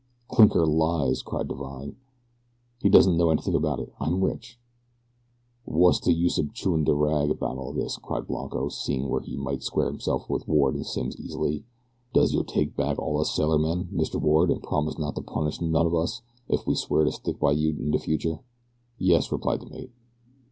"Clinker lies," cried Divine. "He doesn't know anything about it I'm rich." "Wot's de use ob chewin' de rag 'bout all dis," cried Blanco, seeing where he might square himself with Ward and Simms easily. "Does yo' take back all us sailormen, Mr. Ward, an' promise not t' punish none o' us, ef we swear to stick by yo' all in de future?" "Yes," replied the mate.